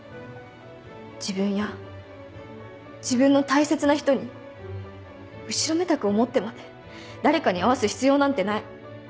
自分や自分の大切な人に後ろめたく思ってまで誰かに合わす必要なんてない。